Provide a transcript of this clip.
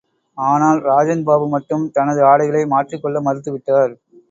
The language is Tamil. ஆனால் ராஜன் பாபு மட்டும் தனது ஆடைகளை மாற்றிக் கொள்ள மறுத்துவிட்டார்.